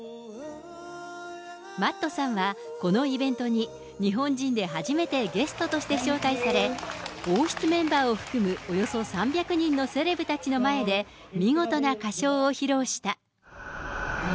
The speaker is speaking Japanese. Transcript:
Ｍａｔｔさんは、このイベントに日本人で初めてゲストとして招待され、王室メンバーを含むおよそ３００人のセレブたちの前で、見事な歌唱を披露した。